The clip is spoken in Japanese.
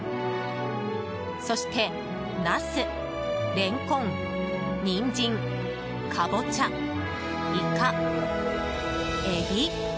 そして、ナス、レンコンニンジン、カボチャ、イカ、エビ。